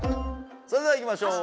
それではいきましょう。